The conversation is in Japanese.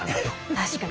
確かに。